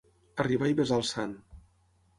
Arribar i besar el sant.